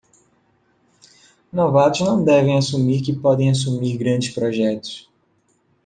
Novatos não devem assumir que podem assumir grandes projetos.